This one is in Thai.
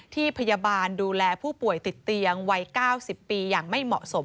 ที่พยาบาลดูแลผู้ป่วยติดเตียงวัย๙๐ปีอย่างไม่เหมาะสม